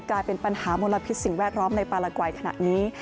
กลายเป็นปัญหามลพิษสิ่งแวดล้อมในปลารกวัยขณะนี้